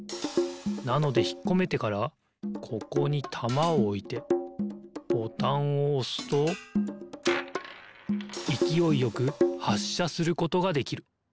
なのでひっこめてからここにたまをおいてボタンをおすといきおいよくはっしゃすることができる。